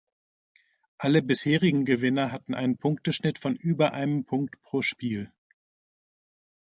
Alle bisherigen Gewinner hatten einen Punkteschnitt von über einem Punkt pro Spiel.